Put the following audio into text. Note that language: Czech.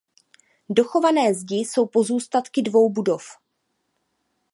Dochované zdi jsou pozůstatky dvou budov.